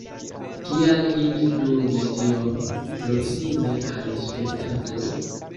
Kial ili flugis tiom proksime al spektantoj?